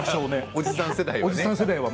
おじさん世代は。